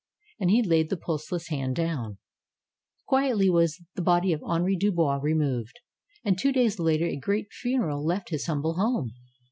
And he laid the pulseless hand down. Quietly was the body of Henri Dubois removed. And two days later a great funeral left his humble home.